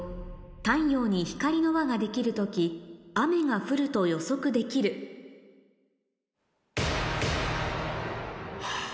太陽に光の輪ができる時雨が降ると予測できるはぁ。